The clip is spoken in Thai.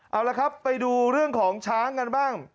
เอาละครับไปดูเรื่องของช้างกันบ้าง